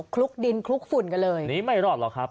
คลุกดินคลุกฝุ่นกันเลยหนีไม่รอดหรอกครับ